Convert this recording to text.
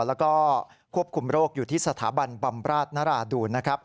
แล้วก็ควบคุมโรคอยู่ที่สถาบันบำราชนราดูนนะครับ